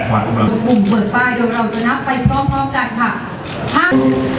สวัสดีครับ